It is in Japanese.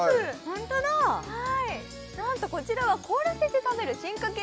ホントだなんとこちらは凍らせて食べる進化系